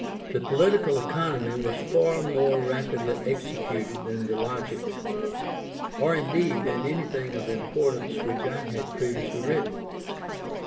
The Political Economy was far more rapidly executed than the Logic, or indeed than anything of importance which I had previously written.